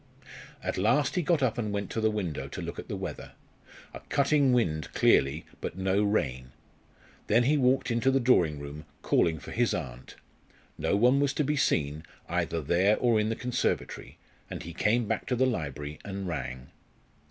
At last he got up and went to the window to look at the weather. A cutting wind, clearly, but no rain. Then he walked into the drawing room, calling for his aunt. No one was to be seen, either there or in the conservatory, and he came back to the library and rang.